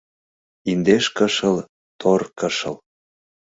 Индеш кышыл - тор кышыл